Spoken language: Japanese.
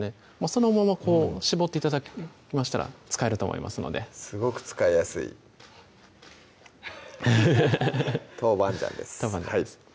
そのまま絞って頂きましたら使えると思いますのですごく使いやすい豆板醤です